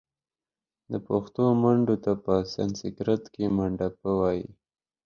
د پښتو منډو Mandaw ته په سنسیکرت کښې Mandapa وايي